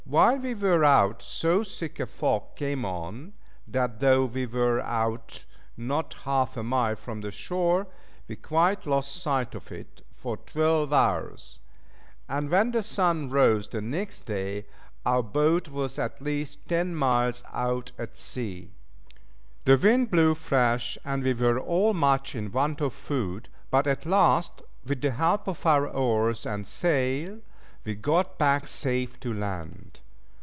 While we were out so thick a fog came on that though we were out not half a mile from the shore, we quite lost sight of it for twelve hours; and when the sun rose the next day, our boat was at least ten miles out at sea. The wind blew fresh, and we were all much in want of food, but at last, with the help of our oars and sail, we got back safe to land.